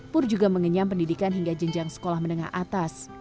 pur juga mengenyam pendidikan hingga jenjang sekolah menengah atas